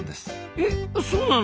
えそうなの？